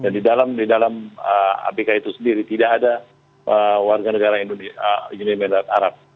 dan di dalam abk itu sendiri tidak ada warga negara united arab